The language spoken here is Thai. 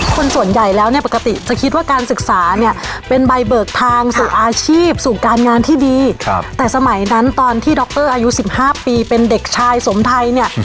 ขอให้ไข่ดิบไข่ดีนั่นนี่ไป